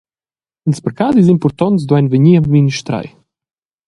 Ils parcadis impurtonts duein vegnir administrai.